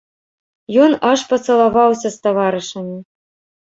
Ён аж пацалаваўся з таварышамі.